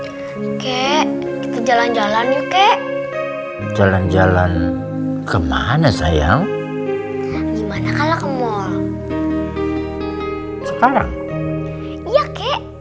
oke jalan jalan yuk kek jalan jalan kemana sayang gimana kalau kemul sekarang ya kek